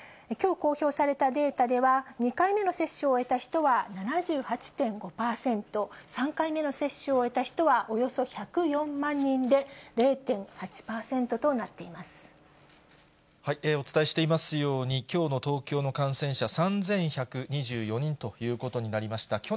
きょう公表されたデータでは、２回目の接種を終えた人は７８．５％、３回目の接種を終えた人は、およそ１０４万人で、お伝えしていますように、きょうの東京の感染者、３１２４人ということになりました。